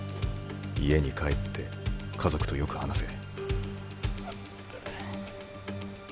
家に帰って家族とよく話せ。